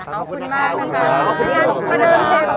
พี่หนุ่มพูดไปแล้ว